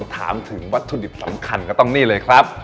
ถามถึงวัตถุดิบสำคัญก็ต้องนี่เลยครับ